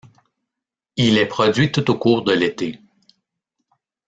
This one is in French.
Il est produit tout au cours de l'été.